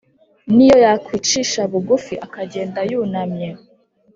N’iyo yakwicisha bugufi akagenda yunamye,